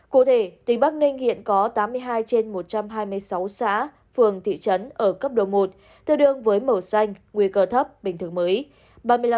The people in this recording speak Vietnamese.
cụ thể tỉnh bắc ninh hiện có tám mươi hai trên một trăm hai mươi sáu xã phường thị trấn ở cấp độ một tương đương với màu xanh nguy cơ thấp bình thường mới